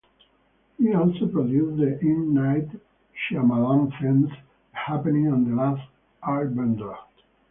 He also produced the M. Night Shyamalan films "The Happening" and "The Last Airbender".